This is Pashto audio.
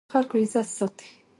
مجاهد د خلکو عزت ساتي.